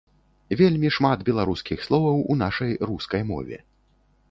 Вельмі шмат беларускіх словаў у нашай рускай мове.